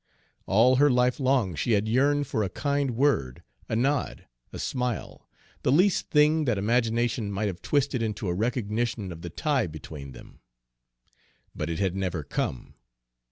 All her life long she had yearned for a kind word, a nod, a smile, the least thing that imagination might have twisted into a recognition of the tie between them. But it had never come.